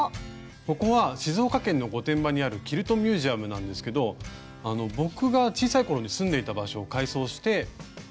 ここは静岡県の御殿場にあるキルトミュージアムなんですけど僕が小さい頃に住んでいた場所を改装してキルトミュージアムになってるんです。